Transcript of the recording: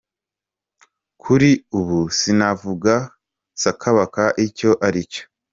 Kuri ubu sinavuga sakabaka icyo aricyo.